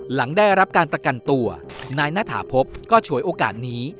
หลังได้รับการประกันตัวนายณฐาพบก็ฉวยโอกาสนี้